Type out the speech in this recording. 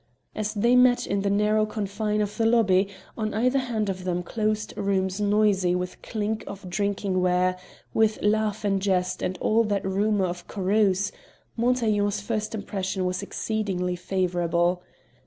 As they met in the narrow confine of the lobby on either hand of them closed rooms noisy with clink of drinking ware, with laugh and jest and all that rumour of carouse Montaiglon's first impression was exceeding favourable.